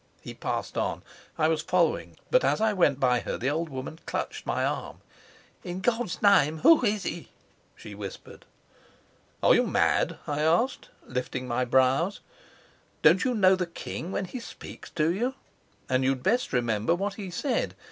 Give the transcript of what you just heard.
He passed on. I was following, but as I went by her the old woman clutched my arm. "In God's name, who is he?" she whispered. "Are you mad?" I asked, lifting my brows. "Don't you know the king when he speaks to you? And you'd best remember what he said.